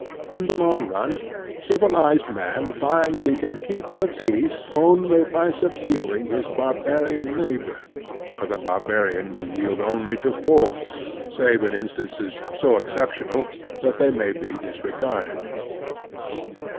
In the long nm civilized man finds he can keep the peace only by subduing his bar barian neighbor ; for the barbarian will yield only to force, save in instances so exceptional that they may be disregarded.